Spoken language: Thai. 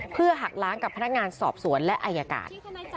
เพื่อหักล้างกับพนักงานสอบสวนและอายการ